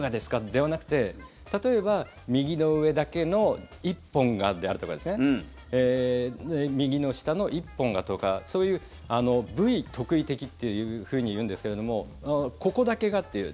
ではなくて例えば右の上だけの１本が、であるとか右の下の１本が、とかそういう部位特異的というふうにいうんですけどもここだけがという。